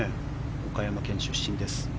岡山県出身です。